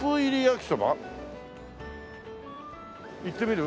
行ってみる？